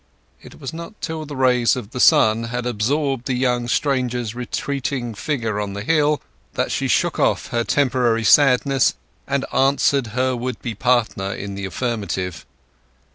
It was not till the rays of the sun had absorbed the young stranger's retreating figure on the hill that she shook off her temporary sadness and answered her would be partner in the affirmative.